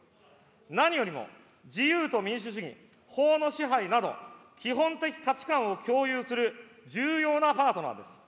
何よりも自由と民主主義、法の支配など、基本的価値観を共有する重要なパートナーです。